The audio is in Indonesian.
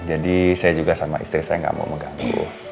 jadi saya juga sama istri saya gak mau mengganggu